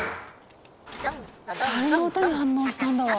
たるの音に反応したんだわ。